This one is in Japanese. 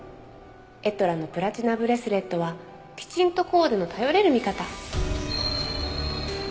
「“エトラ”のプラチナブレスレットはきちんとコーデの頼れる味方！」